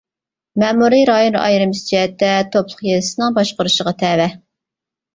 مەمۇرىي رايون ئايرىمىسى جەھەتتە توپلۇق يېزىسىنىڭ باشقۇرۇشىغا تەۋە.